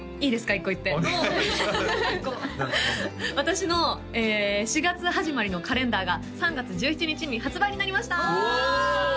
１個言って私の４月始まりのカレンダーが３月１７日に発売になりました